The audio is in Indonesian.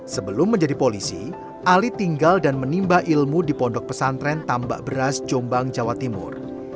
sebelum menjadi polisi ali tinggal dan menimba ilmu di pondok pesantren tambak beras jombang jawa timur